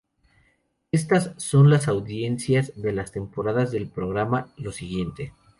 Estas son las audiencias de las temporadas del programa "Lo siguiente".